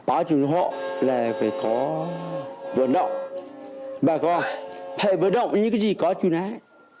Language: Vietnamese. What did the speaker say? báo chúng họ là phải có vận động bà con hãy vận động như cái gì có chú nát